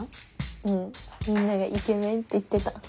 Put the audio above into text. うんみんながイケメンって言ってた。